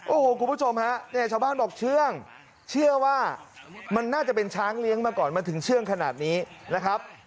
โอ้โหคุณผู้ชมฮะเนี่ยชาวบ้านบอกเชื่องเชื่อว่ามันน่าจะเป็นช้างเลี้ยงมาก่อนมันถึงเชื่องขนาดนี้นะครับ